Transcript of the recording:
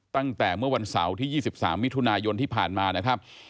ตั้งแต่เมื่อวันเสาร์ที่๒๓มิถุนายนที่ผ่านมานะครับ